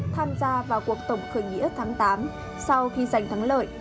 tham gia vào cuộc tổng khởi nghĩa tháng tám sau khi giành thắng lợi